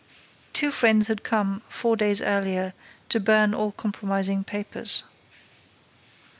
Two friends had come, four days earlier, to burn all compromising papers.